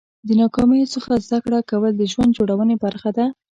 د ناکامیو څخه زده کړه کول د ژوند جوړونې برخه ده.